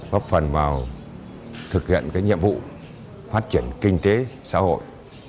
góp phần vào thực hiện nhiệm vụ phát triển kinh tế xã hội